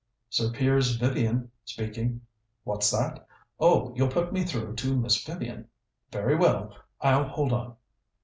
"Sir Piers Vivian speaking. What's that? Oh, you'll put me through to Miss Vivian. Very well; I'll hold on.